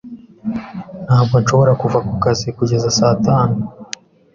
Ntabwo nshobora kuva ku kazi kugeza saa tanu.